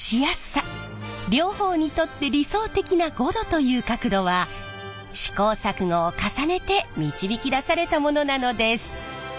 両方にとって理想的な５度という角度は試行錯誤を重ねて導き出されたものなのです。